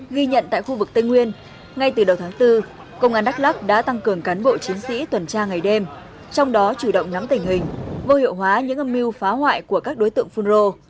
ghi nhận tại khu vực tây nguyên ngay từ đầu tháng bốn công an đắk lắc đã tăng cường cán bộ chiến sĩ tuần tra ngày đêm trong đó chủ động nắm tình hình vô hiệu hóa những âm mưu phá hoại của các đối tượng phun rô